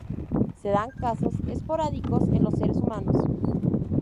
Se dan casos esporádicos en los seres humanos.